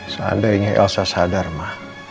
seandainya elsa sadar ma